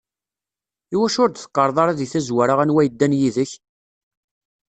Iwacu ur d-teqqareḍ ara deg tazwara anwa yeddan yid-k?